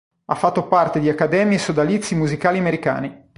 Ha fatto parte di accademie e sodalizi musicali americani.